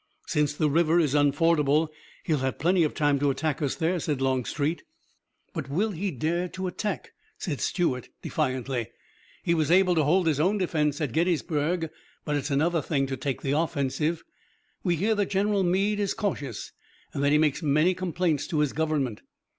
"Since the river is unfordable he'll have plenty of time to attack us there," said Longstreet. "But will he dare to attack?" said Stuart defiantly. "He was able to hold his own in defense at Gettysburg, but it's another thing to take the offensive. We hear that General Meade is cautious and that he makes many complaints to his government.